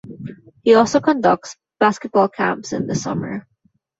He also conducts basketball camps in the summer.